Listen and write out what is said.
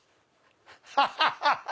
ハハハハ！